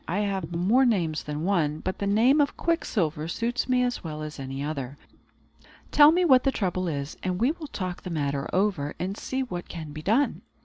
I have more names than one; but the name of Quicksilver suits me as well as any other. Tell me what the trouble is, and we will talk the matter over, and see what can be done."